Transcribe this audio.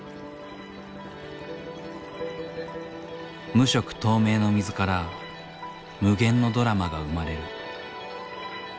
無色透明の水から無限のドラマが生まれる。